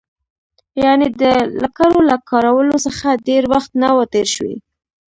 یعنې د لکړو له کارولو څخه ډېر وخت نه و تېر شوی.